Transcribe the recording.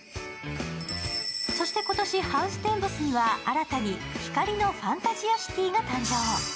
そして、今年ハウステンボスには新たに光のファンタジアシティが誕生。